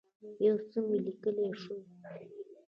یو څه مي لیکلای شوای.